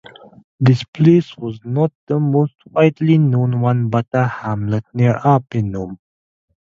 This place was not the most widely known one but a hamlet near Arpinum.